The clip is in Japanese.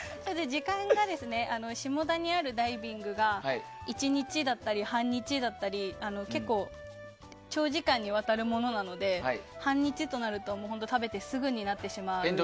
時間が下田にあるダイビングが１日だったり半日だったり結構、長時間にわたるものなので半日となると食べてすぐになってしまいます。